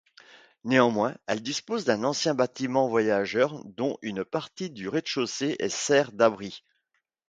Néanmoins elle dispose d'un ancien bâtiment voyageurs dont une partie du rez-de-chaussée sert d'abri.